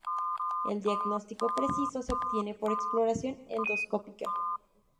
El diagnóstico preciso se obtiene por exploración endoscópica.